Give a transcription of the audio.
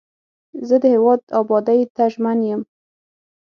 زه د هیواد ابادۍ ته ژمن یم.